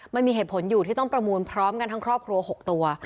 มันมีเหตุผลอยู่ที่ต้องประมูลพร้อมกันทั้งครอบครัว๖ตัว